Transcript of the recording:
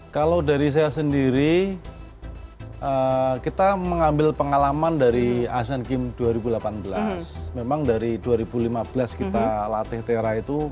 kalau dari saya sendiri kita mengambil pengalaman dari asean games dua ribu delapan belas memang dari dua ribu lima belas kita latih tera itu